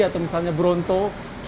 atau misalnya berontok